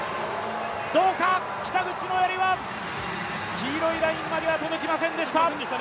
どうか、北口のやりは黄色いラインまでは届きませんでした。